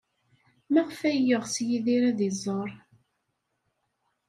Maɣef ay yeɣs Yidir ad iẓer?